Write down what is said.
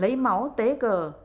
lấy máu tế cờ